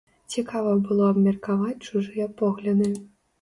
Цікава было абмеркаваць чужыя погляды.